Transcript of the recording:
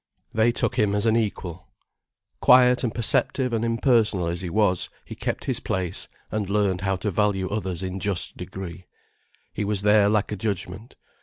They took him as an equal. Quiet and perceptive and impersonal as he was, he kept his place and learned how to value others in just degree. He was there like a judgment.